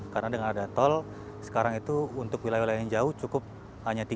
karena dengan ada tol sekarang itu untuk wilayah wilayah yang jauh cukup hanya tiga